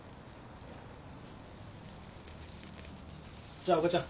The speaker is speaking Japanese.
じゃおばちゃん。